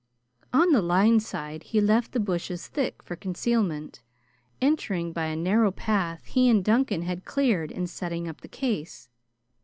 On the line side he left the bushes thick for concealment, entering by a narrow path he and Duncan had cleared in setting up the case.